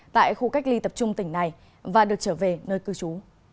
tại khu cách ly tập trung tỉnh này và được trở về nơi cư trú